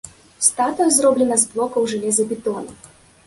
Статуя зроблена з блокаў жалезабетону.